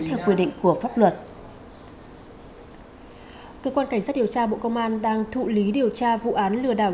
theo quy định của pháp luật cơ quan cảnh sát điều tra bộ công an đang thụ lý điều tra vụ án lừa đảo